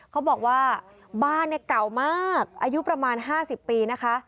เขาบอกว่าบ้านเนี่ยเก่ามากอายุประมาณ๕๐ปีนะคะ